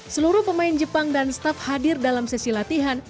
seluruh pemain jepang dan staf hadir dalam sesi latihan